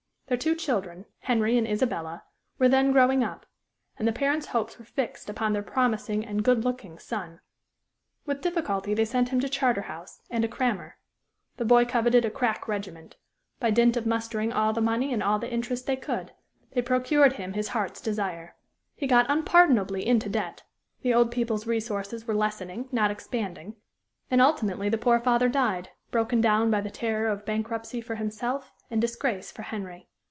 Their two children, Henry and Isabella, were then growing up, and the parents' hopes were fixed upon their promising and good looking son. With difficulty they sent him to Charterhouse and a "crammer." The boy coveted a "crack" regiment; by dint of mustering all the money and all the interest they could, they procured him his heart's desire. He got unpardonably into debt; the old people's resources were lessening, not expanding; and ultimately the poor father died broken down by the terror of bankruptcy for himself and disgrace for Henry.